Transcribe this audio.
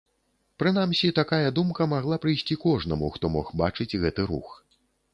Прынамсі, такая думка магла прыйсці кожнаму, хто мог бачыць гэты рух.